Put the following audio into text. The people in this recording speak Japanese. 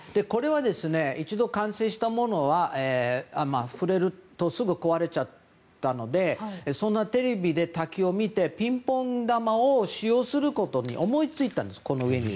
一度完成したものは、触れるとすぐ壊れちゃったのでテレビで卓球を見てピンポン球を使用することを思いついたんです。